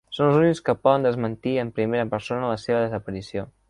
Són els únics que poden desmentir en primera persona la seva desaparició.